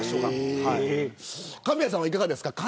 神谷さんはいかがですか。